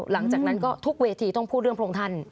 หลังจากนั้นก็ทุกเวทีต้องพูดเรื่องพระองค์ท่าน